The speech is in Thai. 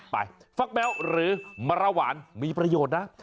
ฟักแมวหรือมรหวานมีประโยชน์นะ